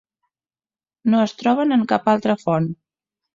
No es troben en cap altra font.